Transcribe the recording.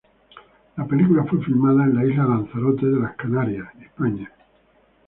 La película fue filmada en la isla Lanzarote de las Canarias, España.